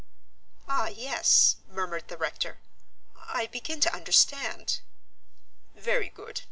"Ah, yes," murmured the rector. "I begin to understand." "Very good.